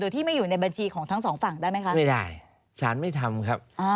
โดยที่ไม่อยู่ในบัญชีของทั้งสองฝั่งได้ไหมคะ